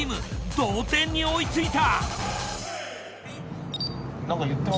同点に追いついた。